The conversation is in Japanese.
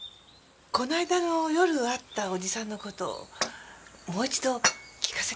この間の夜会ったおじさんの事をもう一度聞かせてもらえるかしら。